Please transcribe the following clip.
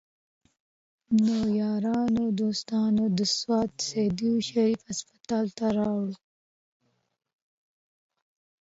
نو يارانو دوستانو د سوات سيدو شريف هسپتال ته راوړو